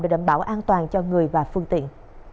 để đảm bảo an toàn cho người và phương tiện